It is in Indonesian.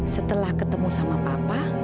setelah ketemu sama papa